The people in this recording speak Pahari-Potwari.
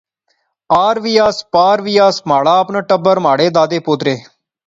آر وی آنس، پار وی آنس، مہاڑا اپنا ٹبر، مہاڑے دادے پوترے